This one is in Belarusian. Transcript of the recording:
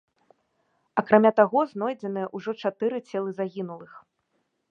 Акрамя таго, знойдзеныя ўжо чатыры целы загінулых.